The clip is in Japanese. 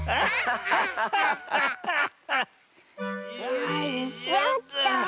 よいしょっと。